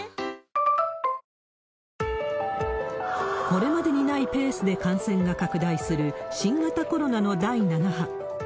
これまでにないペースで感染が拡大する、新型コロナの第７波。